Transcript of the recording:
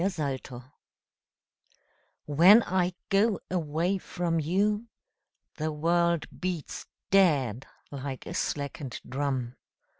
The Taxi When I go away from you The world beats dead Like a slackened drum.